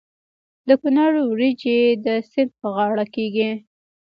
د کونړ وریجې د سیند په غاړه کیږي.